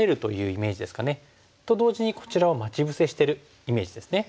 と同時にこちらを待ち伏せしてるイメージですね。